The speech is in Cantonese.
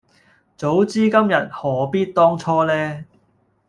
早知今日何必當初呢